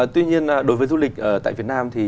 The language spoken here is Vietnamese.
tuy nhiên đối với du lịch tại việt nam